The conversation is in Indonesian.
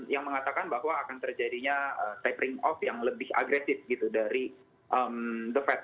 yang mengatakan bahwa akan terjadinya tapering off yang lebih agresif gitu dari the fed